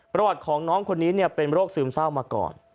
ประวัติของน้องคนนี้เป็นโรคซึมเศร้ามาก่อน